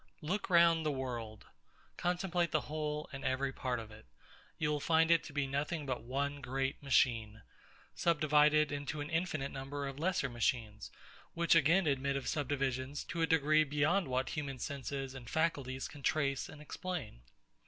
Look round the world: contemplate the whole and every part of it: You will find it to be nothing but one great machine, subdivided into an infinite number of lesser machines, which again admit of subdivisions to a degree beyond what human senses and faculties can trace and explain.